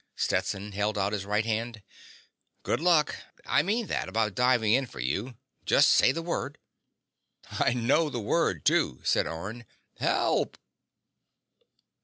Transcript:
Stetson held out his right hand. "Good luck. I meant that about diving in for you. Just say the word." "I know the word, too," said Orne. "HELP!"